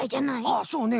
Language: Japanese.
ああそうね。